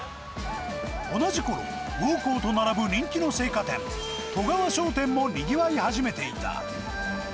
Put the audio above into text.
同じころ、魚幸と並ぶ人気の青果店、外川商店もにぎわい始めていた。